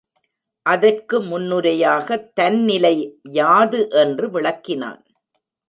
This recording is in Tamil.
அதற்கு முன்னுரையாகத் தன் நிலை யாது என்று விளக்கினான்.